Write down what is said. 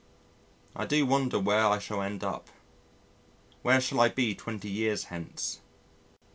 I do wonder where I shall end up; what shall I be twenty years hence?